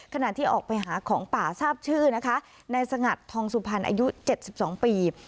ขณะที่ออกไปหาของป่าทรมานท์ชื่อนะคะในสงัดทองสุพรรณอายุเจ็ดสิบสองปี